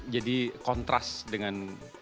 jadi kontras dengan